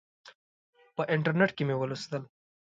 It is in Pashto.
په انټرنیټ کې مې ولوستل.